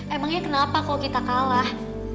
emangnya kenapa kalau kita kalah